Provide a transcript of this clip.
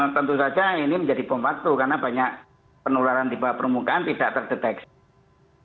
tentu saja ini menjadi bom waktu karena banyak penularan di bawah permukaan tidak terdeteksi